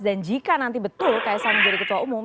dan jika nanti betul kay sang menjadi ketua umum